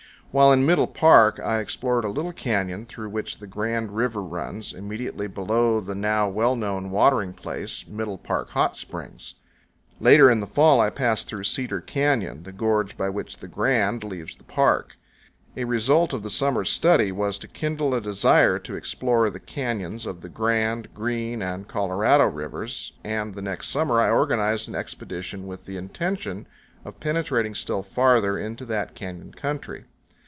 While in Middle Park I explored a little canyon through which the Grand River runs, immediately below the now well known watering place, Middle Park Hot Springs. Later in the fall I passed through Cedar Canyon, the gorge by which the Grand leaves the park. A result of the summer's study was to kindle a desire to explore the canyons of the Grand, Green, and Colorado rivers, and the next summer I organized an expedition with the intention of penetrating still farther into that canyon country.